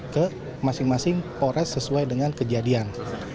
ke masing masing polres sesuai dengan kejadian